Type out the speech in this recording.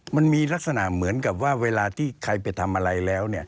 มันมีลักษณะเหมือนกับว่าเวลาที่ใครไปทำอะไรแล้ว